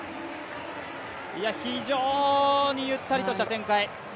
非常にゆったりとした展開。